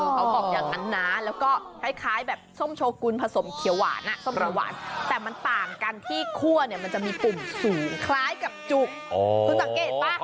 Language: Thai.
เขาบอกอย่างนั้นนะแล้วก็คล้ายแบบส้มโชกุลผสมเขียวหวานส้มหวานแต่มันต่างกันที่คั่วเนี่ยมันจะมีปุ่มสีคล้ายกับจุกคุณสังเกตป่ะ